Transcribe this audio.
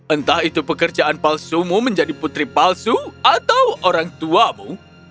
entah itu pekerjaan palsumu menjadi putri palsu atau orang tuamu